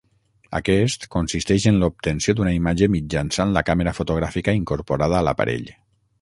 Aquest consisteix en l'obtenció d'una imatge mitjançant la càmera fotogràfica incorporada a l'aparell.